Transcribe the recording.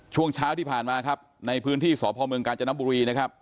ช่วงเช้าที่ผ่านมาครับในพื้นที่สพเมืองกาญจนบุรีนะครับ